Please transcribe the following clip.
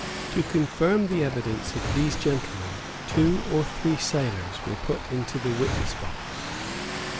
To confirm the evidence of these gentlemen two or three sailors were put into the witness box.